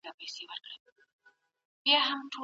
ایا تکړه پلورونکي انځر اخلي؟